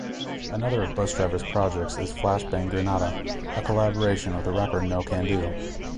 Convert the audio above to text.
Another of Busdriver's projects is Flash Bang Grenada, a collaboration with the rapper Nocando.